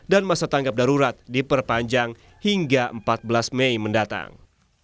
dan masa tanggap darurat diperpanjang hingga empat belas mei mendatang